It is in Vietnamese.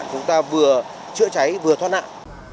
chúng ta vừa chữa cháy vừa thoát nạn